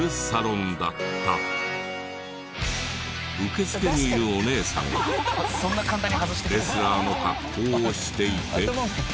受付にいるお姉さんがレスラーの格好をしていて。